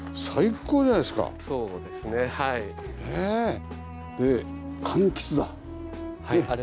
そうですねはい。